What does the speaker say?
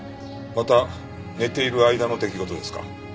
また寝ている間の出来事ですか？